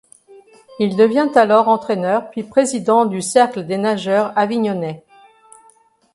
Il devient alors entraîneur puis président du Cercle des nageurs avignonnais.